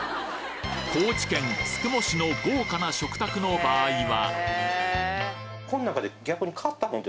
高知県宿毛市の豪華な食卓の場合は？